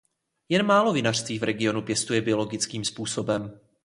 Jen málo vinařství v regionu pěstuje biologickým způsobem.